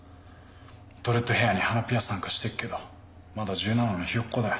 ドレッドヘアーに鼻ピアスなんかしてっけどまだ１７のひよっ子だよ。